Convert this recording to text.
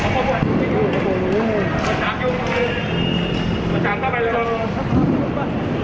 สวัสดีครับสวัสดีครับ